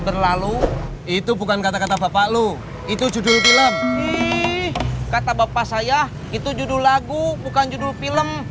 berlalu itu bukan kata kata bapak lu itu judul film kata bapak saya itu judul lagu bukan judul film